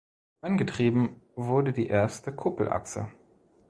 Angetrieben wurde die erste Kuppelachse.